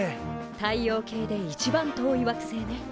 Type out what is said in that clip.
太陽系で一番遠い惑星ね。